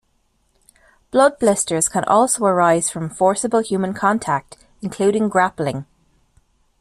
Blood blisters can also arise from forcible human contact, including grappling.